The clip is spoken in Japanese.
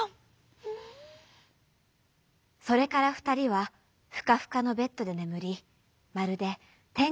それからふたりはふかふかのベッドでねむりまるでてん